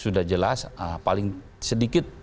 sudah jelas paling sedikit